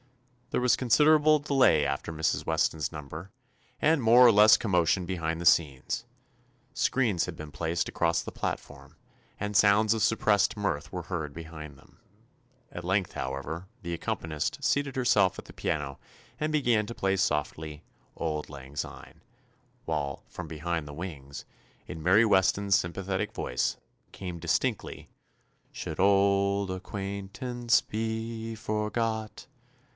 There was considerable delay after Mrs. Weston's number, and more or 207 THE ADVENTURES OF less commotion behind the scenes. Screens had been placed across the platform, and sounds of suppressed mirth were heard behind them. At length, however, the accompanist seated herself at the piano and began to play softly, "Auld Lang Syne," while from behind the wings, in Mary Weston's sympathetic voice, came dis tinctly, ''Should auld acquaintance be forgot'?"